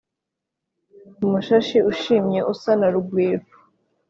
Umushashi ushimye usa na Rugwiro.